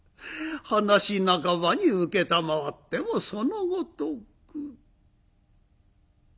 話半ばに承ってもそのごとく。